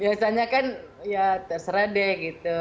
biasanya kan ya terserah deh gitu